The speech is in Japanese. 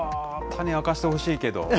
種明かしてほしいけど。